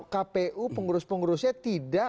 kpu pengurus pengurusnya tidak